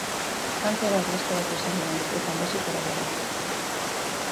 Frantziara erbesteratu zen lehenik, eta Mexikora gero.